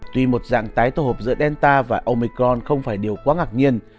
tuy một dạng tái tổ hợp giữa delta và omicron không phải điều quá ngạc nhiên